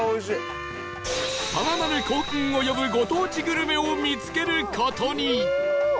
更なる興奮を呼ぶご当地グルメを見つける事に